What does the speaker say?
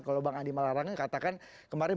kalau bang andi malarangeng katakan kemarin